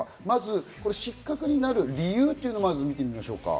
まず、失格になる理由というのを見ていきます。